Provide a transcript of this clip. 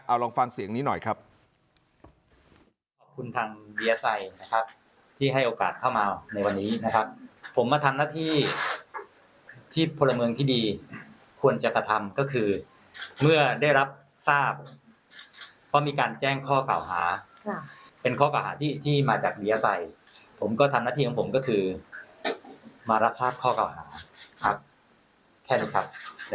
เอาลองฟังเสียงนี้หน่อยครับ